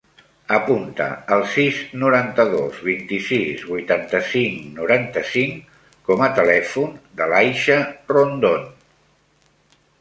Apunta el sis, noranta-dos, vint-i-sis, vuitanta-cinc, noranta-cinc com a telèfon de l'Aixa Rondon.